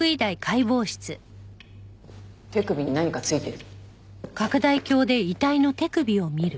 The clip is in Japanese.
手首に何かついてる。